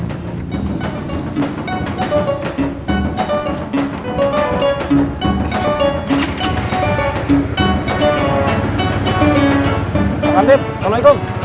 pak kamtid assalamualaikum